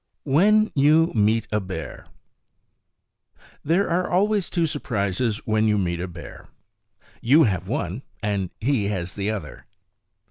When You Meet a Bear There are always two surprises when you meet a bear. You have one, and he has the other.